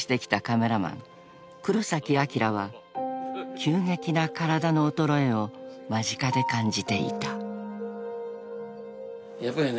［急激な体の衰えを間近で感じていた］